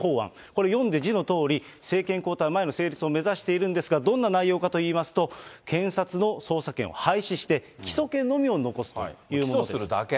これ読んで字のとおり、政権交代前のあ成立を目指しているんですが、どんな内容かといいますと、検察の捜査権を廃止して、起訴権のみを残すというものです。